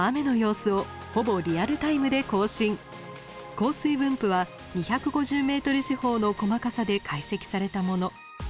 降水分布は２５０ｍ四方の細かさで解析されたもの。